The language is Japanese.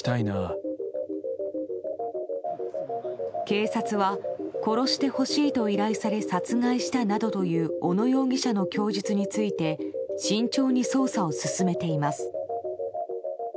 警察は、殺してほしいと依頼され殺害したなどという小野容疑者の供述について慎重に捜査を進めています。